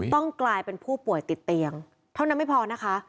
ต้องกลายเป็นผู้ป่วยติดเตียงเท่านั้นไม่พอนะคะ